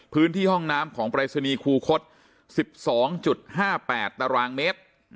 พื้นที่ห้องน้ำของปรายศนีย์คูคศ๑๒๕๘ตารางเมตร